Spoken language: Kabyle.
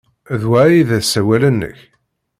D wa ay d asawal-nnek?